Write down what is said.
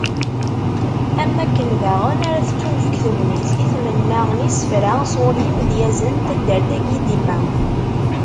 Am wakken daɣen ara tettunefk tegnit i tmenna n yisefra sɣur yimedyazen n taddart-agi dimma.